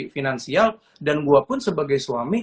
finansial dan gue pun sebagai suami